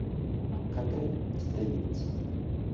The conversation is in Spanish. Catherine Stevens.